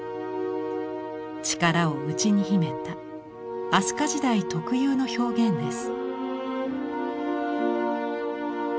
力を内に秘めた飛鳥時代特有の表現です。